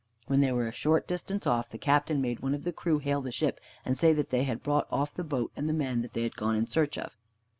When they were a short distance off, the Captain made one of the crew hail the ship and say that they had brought off the boat and the men they had gone in search of.